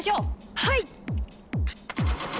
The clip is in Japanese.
はい！